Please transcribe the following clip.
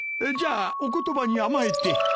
じゃあお言葉に甘えて。